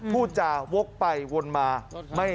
พูดจาวกไปวนมา